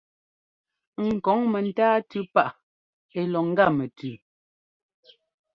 Ŋ kɔŋ mɛntáa tʉ́ paʼ ɛ́ lɔ ŋ́gá mɛtʉʉ.